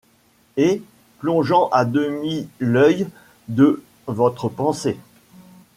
Et, plongeant à demi l'oeil de votre pensée